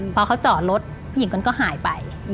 พอเขาจอดรถผู้หญิงคนก็หายไป